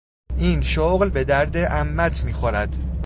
این شغل به درد عمهات میخورد!